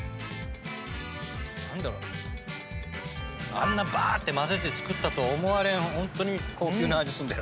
あんなばーってまぜて作ったと思われんホントに高級な味する。